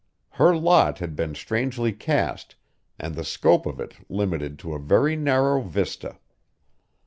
Her lot had been strangely cast and the scope of it limited to a very narrow vista.